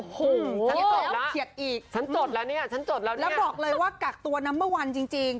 โอ้โหฉันจดแล้วฉันเฉียดอีกแล้วบอกเลยว่ากักตัวนัมเบอร์๑จริง